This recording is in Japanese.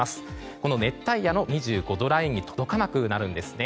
この熱帯夜の２５度ラインに届かなくなるんですね。